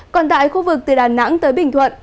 còn tại khu vực từ đà nẵng tới bình thuận